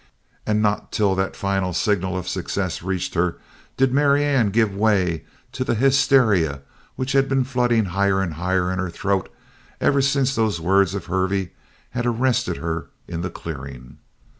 And not till that final signal of success reached her did Marianne give way to the hysteria which had been flooding higher and higher in her throat ever since those words of Hervey had arrested her in the clearing.